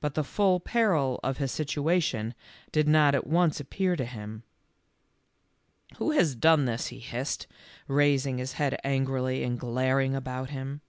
But the full peril of his situation did not at once appear to him. M Who has done this ?" he hissed, raising his head angrily and glaring about him.